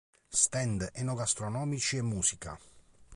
Stand enogastronomici e musica.